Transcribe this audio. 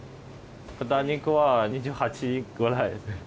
豚肉は２８ぐらい。